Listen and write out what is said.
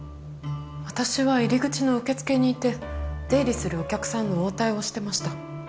私は入り口の受付にいて出入りするお客さんの応対をしてました。